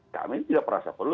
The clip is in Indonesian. kami tidak perasa perlu